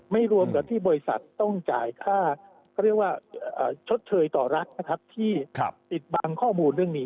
ไม่รวมกับที่บริษัทต้องจ่ายค่าก็เรียกว่าชดเผยต่อรักที่ติดบังข้อมูลเรื่องนี้